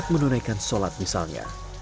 saat menunaikan sholat misalnya